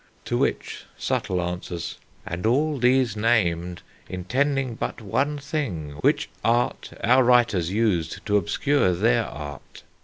To which Subtle answers, And all these named Intending but one thing; which art our writers Used to obscure their art.